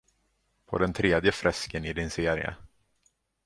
På den tredje fresken i din serie.